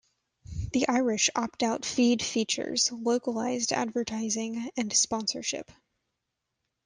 The Irish opt-out feed features localised advertising and sponsorship.